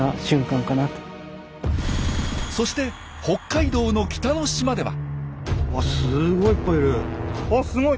そして北海道の北の島では。